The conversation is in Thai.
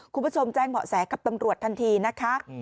คุณผู้ชมแจ้งเบาะแสกับตำรวจทันทีนะคะ